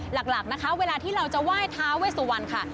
หลักนะคะเวลาที่เราจะไหว้ท้าเวสุวรรณค่ะ